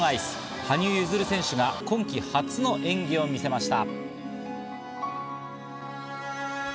羽生結弦選手が今季初の演技を見せました。